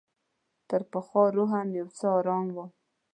تر پخوا روحاً یو څه آرام وم.